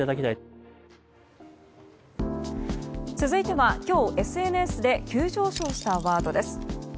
続いては、今日、ＳＮＳで急上昇したワードです。